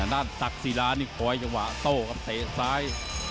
ด้านตักศีลานี่ปล่อยจังหวะโต๊ะกับเทซ้าย